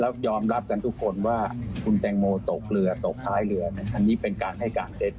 แล้วยอมรับกันทุกคนว่าคุณแตงโมตกเรือตกท้ายเรืออันนี้เป็นการให้การเท็จ